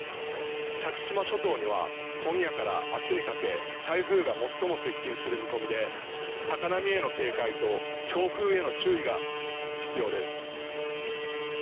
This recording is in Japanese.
先島諸島には今夜から明日にかけ台風が最も接近する見込みで、高波への警戒と強風への注意が必要です。